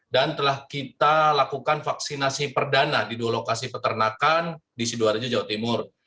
dan telah kita lakukan vaksinasi perdana di dua lokasi peternakan di sidoaraja jawa timur